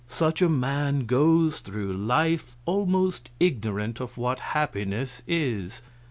Such a man goes through life almost ignorant of what happiness is.